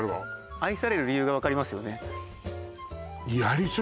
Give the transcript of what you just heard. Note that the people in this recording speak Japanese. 愛される理由が分かりますよね